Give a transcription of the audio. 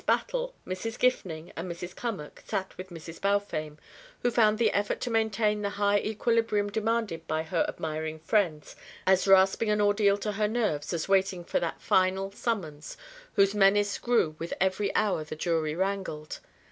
Battle, Mrs. Gifning and Mrs. Cummack sat with Mrs. Balfame, who found the effort to maintain the high equilibrium demanded by her admiring friends as rasping an ordeal to her nerves as waiting for that final summons whose menace grew with every hour the jury wrangled.